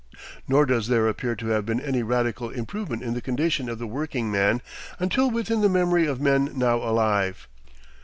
Nor does there appear to have been any radical improvement in the condition of the workingman until within the memory of men now alive.